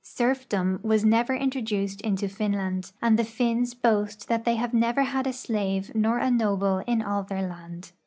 Serfdom was never introduced into Finland, and the Finns boast that the}'' have never had a slave nor a noble in all their land.